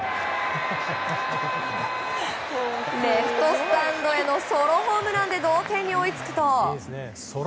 レフトスタンドへのソロホームランで同点に追いつくと。